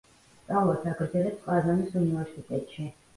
სწავლას აგრძელებს ყაზანის უნივერსიტეტში.